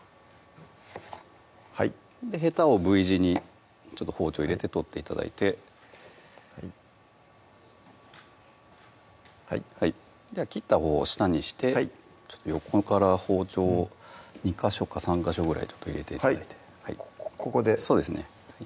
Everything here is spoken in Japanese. はいヘタをＶ字に包丁入れて取って頂いてはいはい切ったほうを下にして横から包丁を２ヵ所か３ヵ所ぐらい入れて頂いてここでそうですね